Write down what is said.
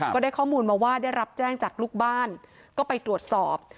ก็ได้ข้อมูลมาว่าได้รับแจ้งจากลูกบ้านก็ไปตรวจสอบ